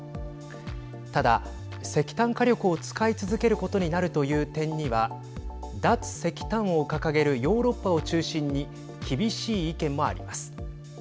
ただ、石炭火力を使い続けることになるという点には脱石炭を掲げるヨーロッパを中心に厳しい意見もあります。